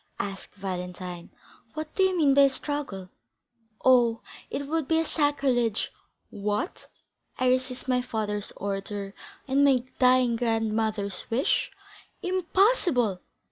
asked Valentine. "What do you mean by a struggle? Oh, it would be a sacrilege. What? I resist my father's order, and my dying grandmother's wish? Impossible!"